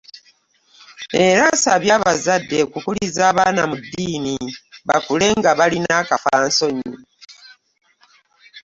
Era asabye abazadde okukuliza abaana mu ddiini bakule nga balina akafa nsonyi.